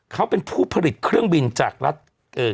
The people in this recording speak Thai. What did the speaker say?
เขาเป็นผู้ผลิตเครื่องบินจากรัฐเอ่อ